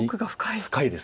深いです。